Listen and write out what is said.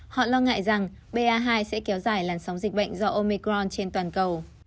họ lo ngại rằng ba hai sẽ kéo dài làn sóng dịch bệnh do omecron trên toàn cầu